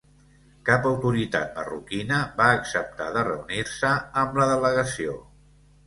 Cap autoritat marroquina va acceptar de reunir-se amb la delegació.